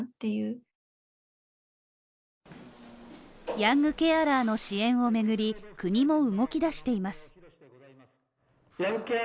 ヤングケアラーの支援を巡り国も動きだしています。